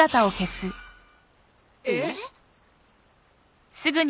えっ。